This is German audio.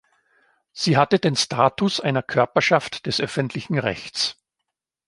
Sie hatte den Status einer Körperschaft des öffentlichen Rechts.